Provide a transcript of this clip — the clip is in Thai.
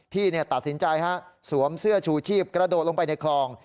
พี่ตัดสินใจฮะสวมเสื้อชูชีพกระโดดลงไปในคลอง